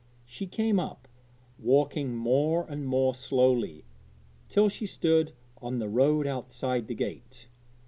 She came up, walking more and more slowly, till she stood on the road outside the gate.